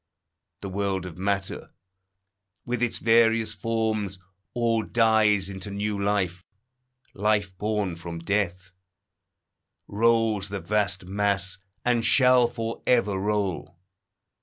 The world of matter, with its various forms, All dies into new life. Life born from death Rolls the vast mass, and shall for ever roll.